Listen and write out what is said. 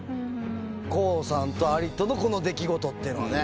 康さんとアリとのこの出来事っていうのはね。